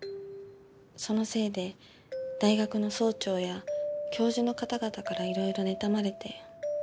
そのせいで大学の総長や教授の方々からいろいろ妬まれて。